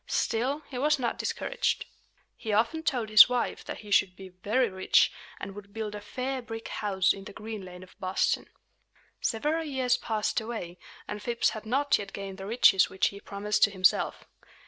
Still, he was not discouraged. He often told his wife that he should be very rich, and would build a "fair brick house" in the Green Lane of Boston. Several years passed away; and Phips had not yet gained the riches which he promised to himself.